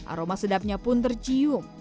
aroma sedapnya pun tercium